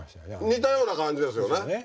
似たような感じですよね。